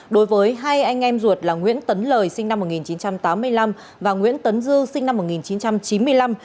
đối với hai anh em ruột là nguyễn tấn lời sinh năm một nghìn chín trăm tám mươi năm và nguyễn tấn dư sinh năm một nghìn chín trăm chín mươi năm